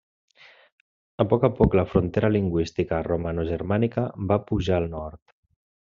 A poc a poc, la frontera lingüística romanogermànica va pujar al nord.